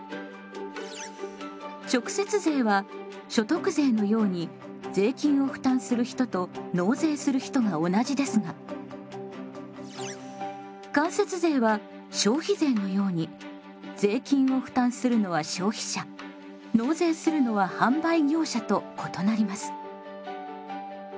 直接税は所得税のように税金を負担する人と納税する人が同じですが間接税は消費税のように税金を負担するのは消費者納税するのは販売業者と異なります。